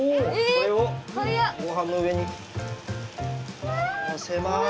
これをごはんの上にのせます。